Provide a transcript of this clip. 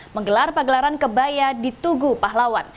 menggelar pagelaran kebaya di tugu pahlawan